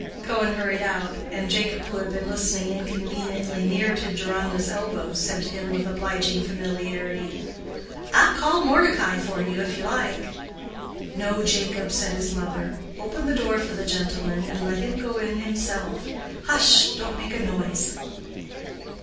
Cohen hurried out, and Jacob, who had been listening inconveniently near to Deronda's elbow, said to him with obliging familiarity, "I'll call Mordecai for you, if you like." "No, Jacob," said his mother; "open the door for the gentleman, and let him go in himself Hush! Don't make a noise."